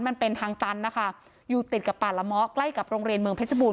มันเป็นทางตันนะคะอยู่ติดกับป่าละเมาะใกล้กับโรงเรียนเมืองเพชรบูร